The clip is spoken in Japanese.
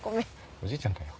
おじいちゃんかよ。